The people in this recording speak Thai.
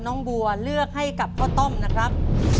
น้องบัวเลือกให้กับพ่อต้อมนะครับ